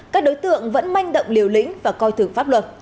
các đối tượng vẫn manh đậm liều lĩnh và coi thử pháp luật